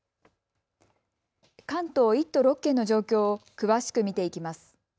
関東１都６県の状況を詳しく見ていきます。